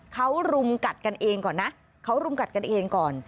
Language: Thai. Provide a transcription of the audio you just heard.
เขารุมกัดกันเองก่อนนะเขารุมกัดกันเองก่อน